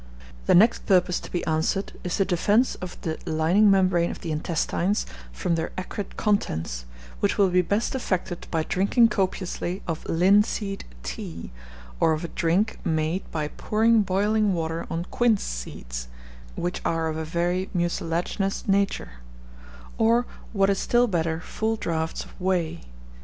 The next purpose to be answered is the defence of the lining membrane of the intestines from their acrid contents, which will be best effected by drinking copiously of linseed tea, or of a drink made by pouring boiling water on quince seeds, which are of a very mucilaginous nature; or, what is still better, full draughts of whey.